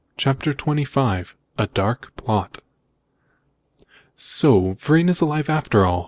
CHAPTER XXV A DARK PLOT "So Vrain is alive, after all!"